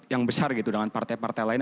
yang besar gitu dengan partai partai lain